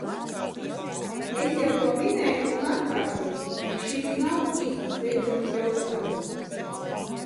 Es jau to minēju un atkārtošu, ka šis nav īsti steidzams jautājums.